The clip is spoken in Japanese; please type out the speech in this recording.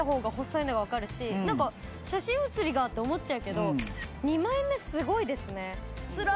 「なんか写真写りが」って思っちゃうけど２枚目スゴいですね。